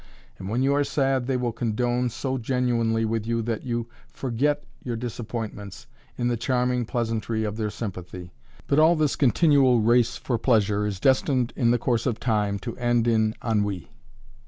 And when you are sad they will condone so genuinely with you that you forget your disappointments in the charming pleasantry of their sympathy. But all this continual race for pleasure is destined in the course of time to end in ennui!